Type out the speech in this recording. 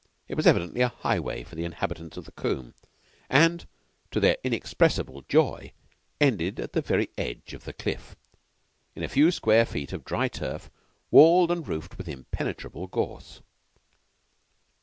It was evidently a highway for the inhabitants of the combe; and, to their inexpressible joy, ended, at the very edge of the cliff, in a few square feet of dry turf walled and roofed with impenetrable gorse.